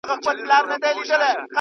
خواړه د فشار له امله بدلېږي.